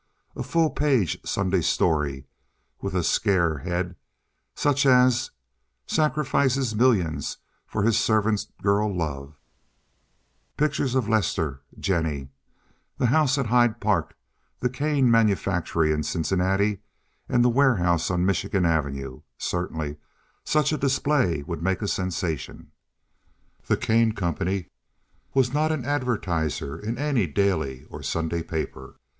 A full page Sunday story with a scare head such as "Sacrifices Millions for His Servant Girl Love," pictures of Lester, Jennie, the house at Hyde Park, the Kane manufactory at Cincinnati, the warehouse on Michigan Avenue—certainly, such a display would make a sensation. The Kane Company was not an advertiser in any daily or Sunday paper.